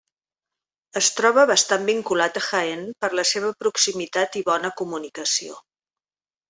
Es troba bastant vinculat a Jaén per la seva proximitat i bona comunicació.